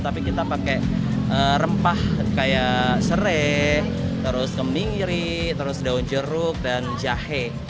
tapi kita pakai rempah kayak serai terus keming iri terus daun jeruk dan jahe